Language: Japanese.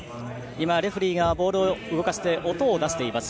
レフェリーがボールを動かして音を出しています。